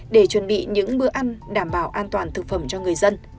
để chuẩn bị những bữa ăn đảm bảo an toàn thực phẩm cho người dân